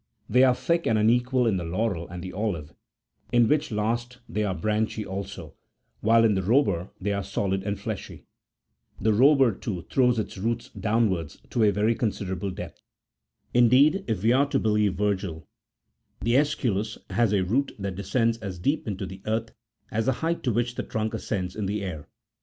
They are thick and unequal in the laurel and the olive, in which last they are branchy also ; while in the robur they are solid and fleshy.61 The robur, too, throws its roots down wards to a very considerable depth. Indeed, if we are to be lieve Virgil,62 the sesculus has a root that descends as deep into the earth as the height to which the trunk ascends in the air.